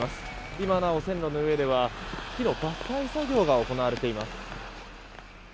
今なお線路の上では木の伐採作業が行われています。